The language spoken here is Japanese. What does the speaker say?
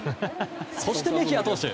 そしてメヒア投手。